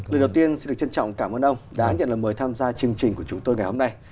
lời đầu tiên xin được trân trọng cảm ơn ông đã nhận lời mời tham gia chương trình của chúng tôi ngày hôm nay